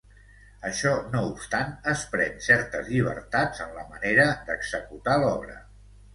Això no obstant, es pren certes llibertats en la manera d'executar l'obra.